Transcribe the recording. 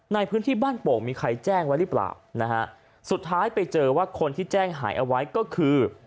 ในพื้นที่บ้านโป่งมีใครแจ้งไว้หรือเปล่านะฮะสุดท้ายไปเจอว่าคนที่แจ้งหายเอาไว้ก็คือ